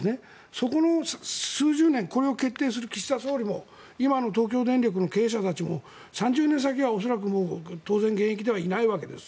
そこの数十年これを決定する岸田総理や今の東京電力の経営者たちも３０年先は恐らく当然、現役ではいないわけです。